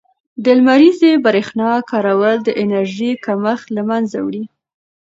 د لمریزې برښنا کارول د انرژۍ کمښت له منځه وړي.